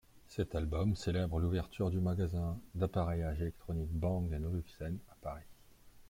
Cet album célèbre l'ouverture du magasin d'appareillage électronique Bang & Olufsen à Paris.